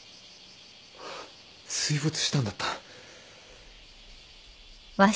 あっ水没したんだった。